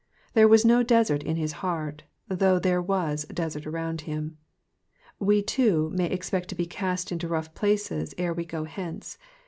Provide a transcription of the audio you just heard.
There teas no desert in his fieart, though there was a desert around him. We too may eae pect to be cast into rough places ere ice go hence.